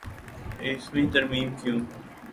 ائیسویں ترمیم کیوں؟